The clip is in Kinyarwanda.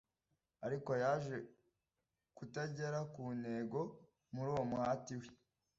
ariko yaje kutagera ku ntego muri uwo muhati we